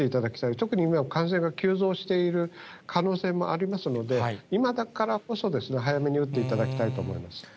特に今、感染が急増している可能性もありますので、今だからこそ、早めに打っていただきたいと思います。